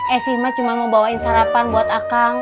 eh sih cuma mau bawain sarapan buat akang